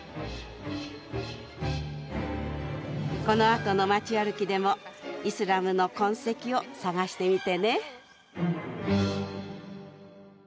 このあとの街歩きでもイスラムの痕跡を探してみてね！